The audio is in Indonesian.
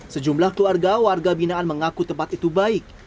sejumlah keluarga warga binaan mengaku tempat itu baik